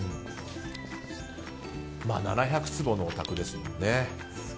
７００坪のお宅ですもんね。